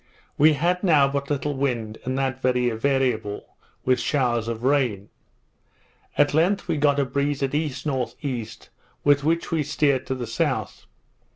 We had now but little wind, and that very variable, with showers of rain. At length we got a breeze at E.N.E. with which we steered to the south.